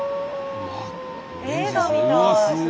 映画みたい。